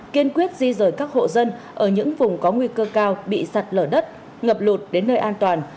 kiên quyết di rời các hộ dân ở những vùng có nguy cơ cao bị sạt lở đất ngập lụt đến nơi an toàn